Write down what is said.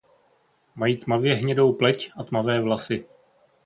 Mají tmavě hnědou pleť a tmavé vlasy.